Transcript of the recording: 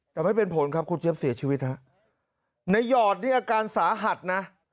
แต่ไม่เป็นผลครับคุณเจี๊ยบเสียชีวิตฮะในหยอดนี่อาการสาหัสนะ